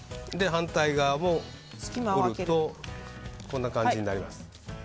反対側も折るとこんな感じになります。